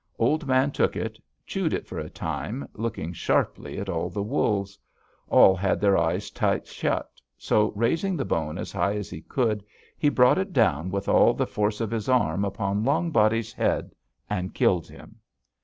Old Man took it, chewed it for a time, looking sharply at all the wolves. All had their eyes tight shut, so, raising the bone as high as he could, he brought it down with all the force of his arm upon Long Body's head and killed him.